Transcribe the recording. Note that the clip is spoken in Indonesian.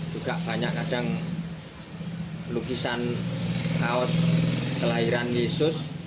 juga banyak kadang lukisan kaos kelahiran yesus